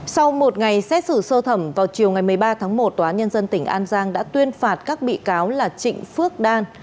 sau một ngày xét xử sơ thẩm vào chiều ngày một mươi ba tháng một tòa nhân dân tỉnh an giang đã tuyên phạt các bị cáo là trịnh phước đan